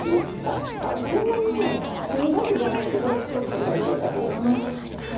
そんなにねすごくじゃないけどちょっとされてたかな。